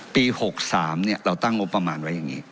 ปี๖๓เราตั้งงบประมาณไว้อย่างนี้